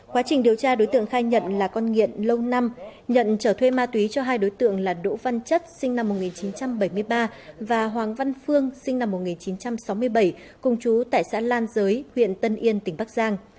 quá trình điều tra đối tượng khai nhận là con nghiện lâu năm nhận trở thuê ma túy cho hai đối tượng là đỗ văn chất sinh năm một nghìn chín trăm bảy mươi ba và hoàng văn phương sinh năm một nghìn chín trăm sáu mươi bảy cùng chú tại xã lan giới huyện tân yên tỉnh bắc giang